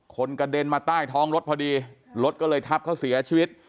กระเด็นมาใต้ท้องรถพอดีรถก็เลยทับเขาเสียชีวิต